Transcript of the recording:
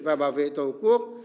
và bảo vệ tổ quốc